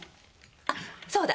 あっそうだ。